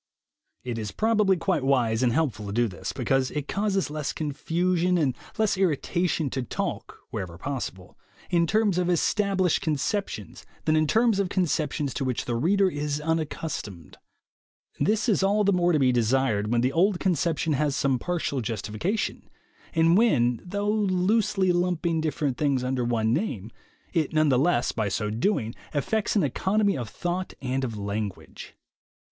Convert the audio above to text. It is probably quite wise and helpful to do this, because it causes less confusion and less irritation to talk, wherever possible, in terms of established conceptions than in terms of conceptions to which the reader is unaccustomed. This is all the more to be desired when the old conception has some partial justifica tion, and when, though loosely lumping different things under one name, it none the less, by so doing, effects an economy of thought and of language.